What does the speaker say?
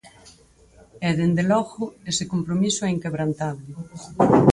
E, dende logo, ese compromiso é inquebrantable.